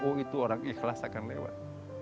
oh itu orang ikhlas akan lewat